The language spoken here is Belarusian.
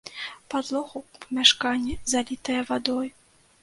Падлога ў памяшканні залітая вадой.